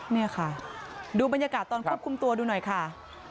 นี่ค่ะดูบรรยากาศตอนควบคุมตัวดูหน่อยค่ะ